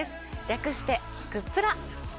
略してグップラ。